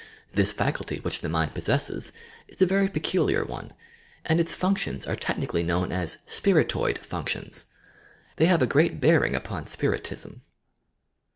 This faculty which the mind possesses is a very peculiar one, and its functions are teehnieally known as "Spiritoid functions." They have a great bearing upon Spiritism.